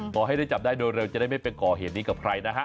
ขอให้ได้จับได้โดยเร็วจะได้ไม่ไปก่อเหตุนี้กับใครนะฮะ